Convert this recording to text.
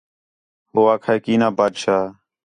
ہو آکھا ہِے کینا بادشاہ